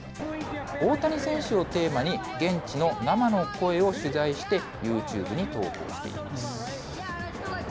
大谷選手をテーマに、現地の生の声を取材してユーチューブに投稿しています。